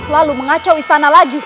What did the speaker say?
lalu mengacau istana lagi